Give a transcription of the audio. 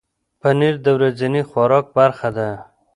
پنېر د ورځني خوراک برخه ده.